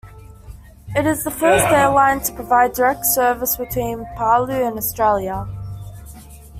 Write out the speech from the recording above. It was the first airline to provide direct service between Palau and Australia.